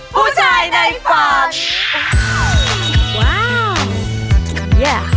ผู้ชายในฝัน